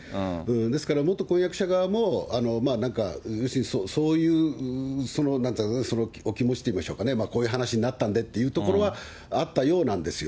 ですから、元婚約者側も、なんか、要するにそういう、お気持ちといいましょうかね、こういう話になったんでっていうところはあったようなんですよ。